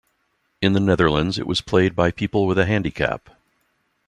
In the Netherlands it was played by people with a handicap.